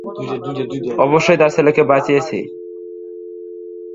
অবশ্যইঃ তার ছেলেকে বাঁচিয়েছি।